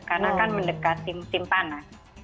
karena kan mendekati musim panas